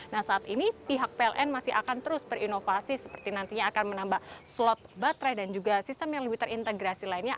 nah saat ini pihak pln masih akan terus berinovasi seperti nantinya akan menambah slot baterai dan juga sistem yang lebih terintegrasi lainnya